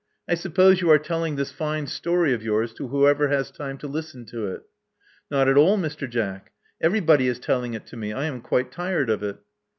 I suppose you are telling this fine story of yours to whoever has time to listen to it." Not at all, Mr. Jack. Everybody is telling it to me. I am quite tired of it."